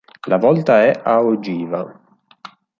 La volta è a ogiva.